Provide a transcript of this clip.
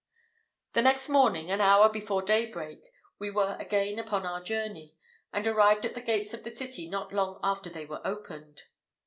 The next morning, an hour before day break, we were again upon our journey, and arrived at the gates of the city not long after they were opened.